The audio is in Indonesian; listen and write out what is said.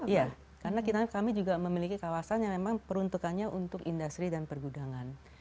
iya karena kami juga memiliki kawasan yang memang peruntukannya untuk industri dan pergudangan